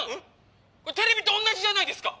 「テレビと同じじゃないですか！」